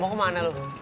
bang kemana lu